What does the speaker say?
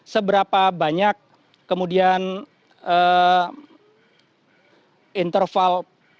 seberapa banyak kemudian interval